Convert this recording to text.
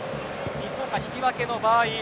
日本が引き分けの場合。